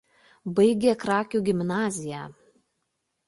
Baigė Krakių gimnaziją.